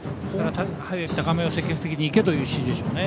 早く高めを積極的に行けという指示でしょうね。